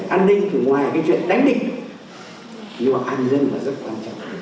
an ninh thì ngoài cái chuyện đánh định nhưng mà an dân là rất quan trọng